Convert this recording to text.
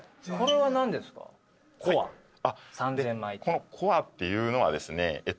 このコアっていうのはですね